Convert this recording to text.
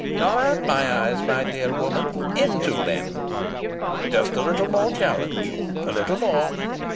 Not at my eyes, my dear woman, into them! Just a little more challenge a little more!